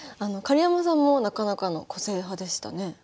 狩山さんもなかなかの個性派でしたね。